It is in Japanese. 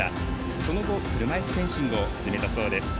その後、車いすフェンシングを始めたそうです。